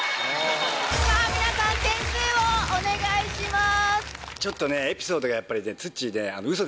皆さん点数をお願いします。